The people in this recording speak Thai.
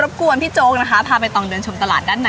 กวนพี่โจ๊กนะคะพาใบตองเดินชมตลาดด้านใน